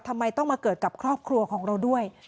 ทำไมต้องมาเกิดกับครอบครัวของเราด้วย